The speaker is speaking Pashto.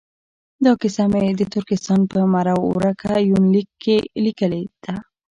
دا کیسه مې د ترکستان په میرو ورکه یونلیک کې لیکلې ده.